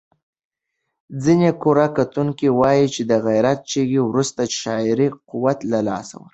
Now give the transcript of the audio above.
ځینې کره کتونکي وايي چې د غیرت چغې وروسته شاعري قوت له لاسه ورکړ.